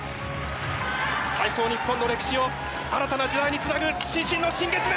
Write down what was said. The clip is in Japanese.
体操日本の歴史を新たな時代につなぐ伸身の新月面。